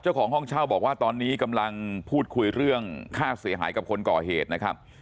เจ้าของห้องเช่าบอกว่าตอนนี้กำลังพูดคุยเรื่องค่าเสียหายกับคนก่อเหตุนะครับ